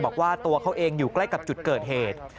บอกว่าตัวเขาเองอยู่ใกล้กับจุดเกิดเหตุ